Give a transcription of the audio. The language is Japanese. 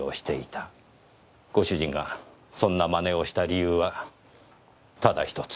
ご主人がそんな真似をした理由はただ１つ。